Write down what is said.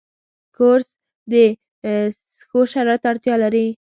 کورس د ښو شرایطو اړتیا لري.